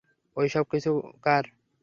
ঐসব কিছু কার?